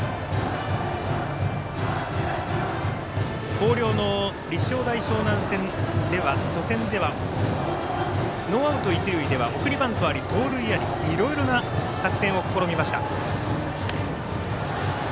広陵の立正大淞南戦初戦ではノーアウト、一塁では送りバントあり盗塁ありいろいろな作戦を試みました。